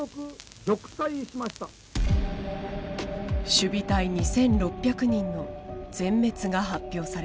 守備隊２，６００人の全滅が発表された。